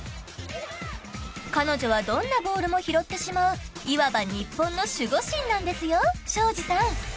彼女はどんなボールも拾ってしまういわば日本の守護神なんですよ庄司さん。